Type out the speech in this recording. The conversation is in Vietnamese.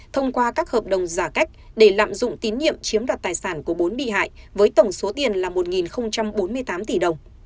thông qua các hợp đồng giả cách để lạm dụng tín nhiệm chiếm đoạt tài sản của bốn bị hại với tổng số tiền là một bốn mươi tám tỷ đồng